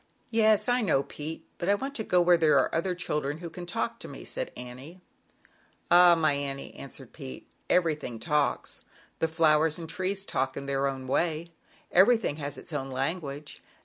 "Yes, I know, Pete; but I want to go where there are other children who can talk to me,' said Annie \ "Ah, my Annie," answered Pete, "everything talks; the flowers and trees talk in their own way. Everything has its own language.